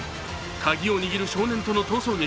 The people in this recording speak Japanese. カギを握る少年との逃走劇。